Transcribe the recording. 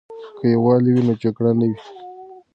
که یووالی وي نو جګړه نه وي.